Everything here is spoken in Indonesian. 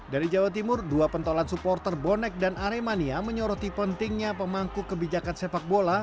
dari jawa timur dua pentolan supporter bonek dan aremania menyoroti pentingnya pemangku kebijakan sepak bola